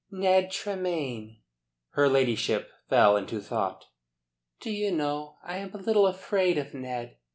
"Ned Tremayne?" Her ladyship fell into thought. "Do you know, I am a little afraid of Ned.